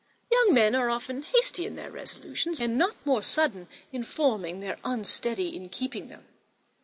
Young men are often hasty in their resolutions, and not more sudden in forming than unsteady in keeping them.